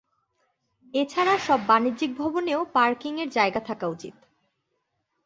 এ ছাড়া সব বাণিজ্যিক ভবনেও পার্কিংয়ের জায়গা থাকা উচিত।